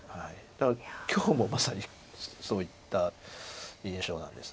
だから今日もまさにそういった印象なんです。